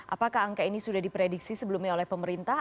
apakah angka ini sudah diprediksi sebelumnya oleh pemerintah